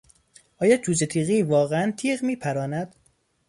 آیا جوجهتیغی واقعا تیغ میپراند؟